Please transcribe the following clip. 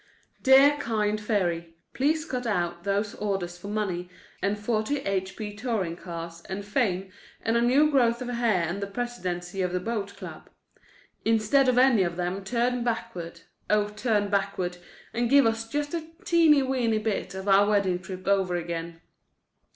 Dear kind fairy, please cut out those orders for money and 40 H. P. touring cars and fame and a new growth of hair and the presidency of the boat club. Instead of any of them turn backward—oh, turn backward and give us just a teeny weeny bit of our wedding trip over again.